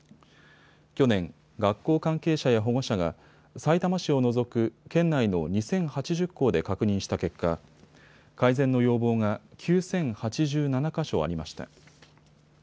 去年、学校関係者や保護者がさいたま市を除く、県内の２０８０校で確認した結果、改善の要望が９０８７か所ありました。